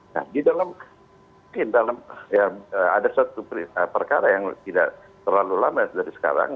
nah di dalam mungkin dalam ada satu perkara yang tidak terlalu lama dari sekarang